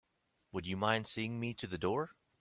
Would you mind seeing me to the door?